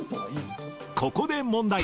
ここで問題！